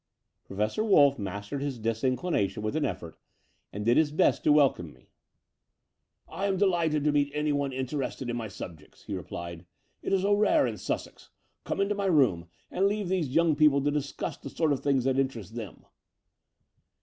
Professor Wolff mastered his disinclination with an effort, and did his best to welcome me. "I am delighted to meet anyone interested in my subjects," he replied. " It is so rare in Sussex. Come into my room ; and leave these young people to discuss the sort of things that interest them."